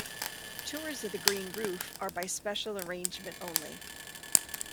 Tours of the green roof are by special arrangement only.